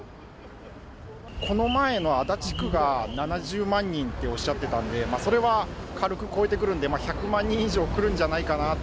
この前の足立区が７０万人っておっしゃってたんで、それは軽く超えてくるんで、１００万人以上来るんじゃないかなと。